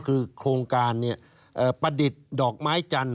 ก็คือโครงการเนี่ยประดิษฐ์ดอกไม้จันทร์